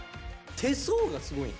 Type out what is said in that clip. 手相がすごいん？